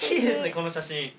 この写真。